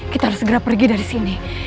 kita harus segera pergi dari sini